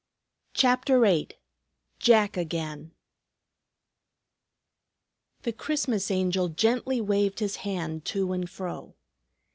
CHAPTER VIII JACK AGAIN The Christmas Angel gently waved his hand to and fro.